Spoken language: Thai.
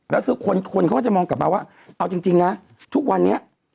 แล้วคือคนเขาก็จะมองกลับมาว่าเอาจริงนะทุกวันนี้